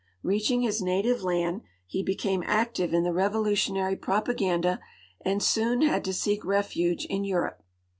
Reaching his native land, he became active in the revolutionary propaganda and soon had to seek refuge in Europe.